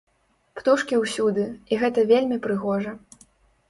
Птушкі ўсюды, і гэта вельмі прыгожа.